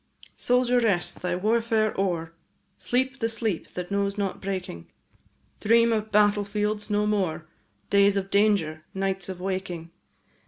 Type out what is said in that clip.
Soldier, rest! thy warfare o'er, Sleep the sleep that knows not breaking; Dream of battle fields no more, Days of danger, nights of waking.